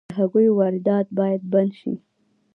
د هګیو واردات باید بند شي